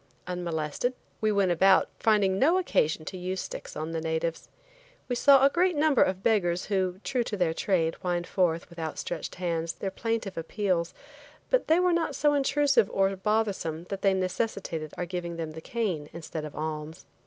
Unmolested we went about finding no occasion to use sticks on the natives. We saw a great number of beggars who, true to their trade, whined forth, with outstretched hands, their plaintive appeals, but they were not so intrusive or bothersome that they necessitated our giving them the cane instead of alms.